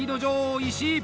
石井！